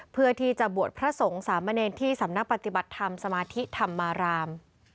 เพื่อที่จะบวชพระสงฆ์สามเณรที่สำนักปฏิบัติธรรมสมาธิธรรมาราม